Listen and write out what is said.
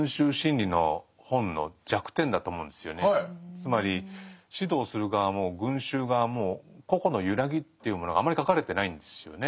つまり指導する側も群衆側も「個々の揺らぎ」っていうものがあまり書かれてないんですよね。